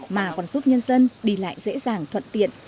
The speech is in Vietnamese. mà còn giúp nhân dân đi lại dễ dàng thuận tiện